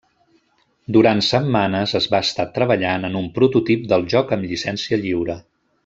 Durant setmanes es va estar treballant en un prototip del joc amb llicència lliure.